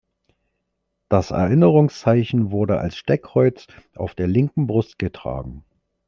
Das Erinnerungszeichen wurde als Steckkreuz auf der linken Brust getragen.